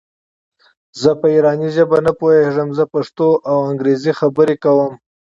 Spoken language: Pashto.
زه په ایراني ژبه نه پوهېږم زه پښتو او انګرېزي خبري کوم.